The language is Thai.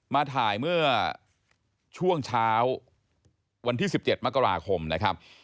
มาถ่ายเมื่อช่วงเช้าวันที่๑๗มกราคมนะครับ